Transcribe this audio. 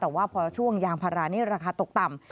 แต่ว่าพอช่วงยางพารานี้ราคาตกต่ำ